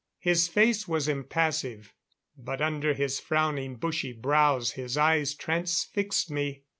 His face was impassive; but under his frowning bushy brows, his eyes transfixed me.